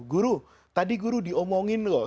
guru tadi guru diomongin loh